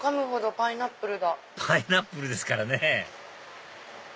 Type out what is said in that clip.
パイナップルですからね！